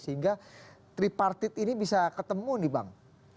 sehingga tripartit ini bisa ketemu nih bang